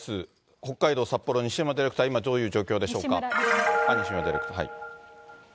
北海道札幌に西村ディレクター、今、どういう状況でしょうか。